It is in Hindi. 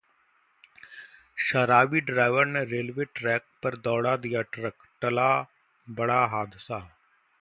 शराबी ड्राइवर ने रेलवे ट्रैक पर दौड़ा दिया ट्रक, टला बड़ा हादसा